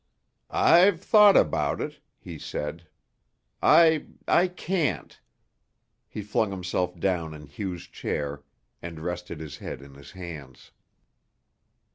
"I've thought about it," he said. "I I can't." He flung himself down in Hugh's chair and rested his head in his hands.